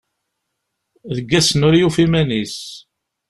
Deg wass-nni ur yufi iman-is